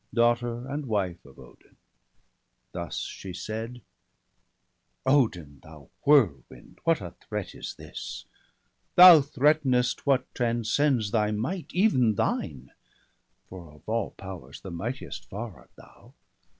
Daughter and wife of Odin ; thus she said :—' Odin, thou whirlwind, what a threat is this ! Thou threatenest what transcends thy might, even thine. For of all powers the mightiest far art thou.